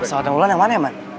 pesawat yang duluan yang mana ya man